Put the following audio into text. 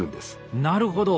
なるほど。